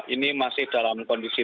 ini masih dalam kondisi